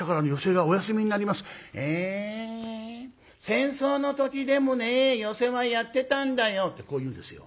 戦争の時でもね寄席はやってたんだよ」ってこう言うんですよ。